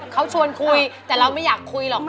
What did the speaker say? เขาชวนคุยแต่เราไม่อยากคุยหรอก